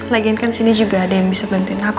lagian kan sini juga ada yang bisa bantuin apa